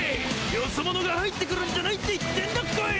ヨソ者が入ってくるんじゃないって言ってんだコイ！